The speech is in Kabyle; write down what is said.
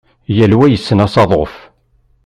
Yal wa yessen asaḍuf.